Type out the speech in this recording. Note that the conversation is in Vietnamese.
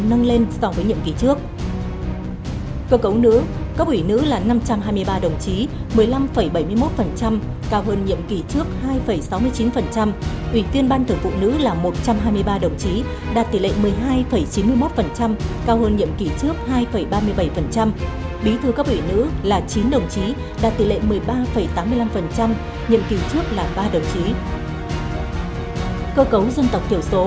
đảng thường vụ người dân tộc thiểu số là một trăm một mươi ba đồng chí đạt tỷ lệ một mươi một tám mươi sáu